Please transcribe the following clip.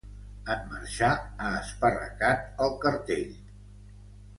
En marxar ha esparracat el cartell.